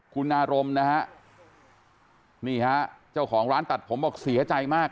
คุณอารมณ์นะฮะนี่ฮะเจ้าของร้านตัดผมบอกเสียใจมาก